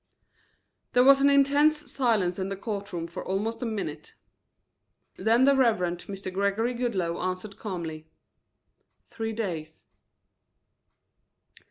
There was an intense silence in the court room for almost a minute. Then the Reverend Mr. Gregory Goodloe answered calmly: "Three days."